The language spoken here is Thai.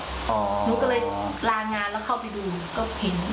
หนูก็เลยลางานแล้วเข้าไปดูก็เห็น